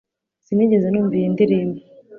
Sinigeze numva iyi ndirimbo